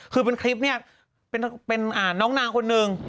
คือเป็นคลิปเนี่ยเป็นน้องนางคนหนึ่ง